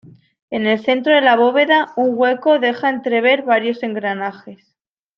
En el centro de la bóveda, un hueco deja entrever varios engranajes.